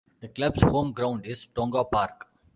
The club's home ground is Tonga Park.